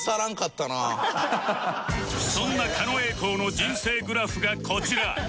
そんな狩野英孝の人生グラフがこちら